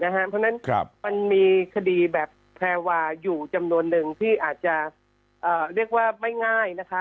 เพราะฉะนั้นมันมีคดีแบบแพรวาอยู่จำนวนหนึ่งที่อาจจะเรียกว่าไม่ง่ายนะคะ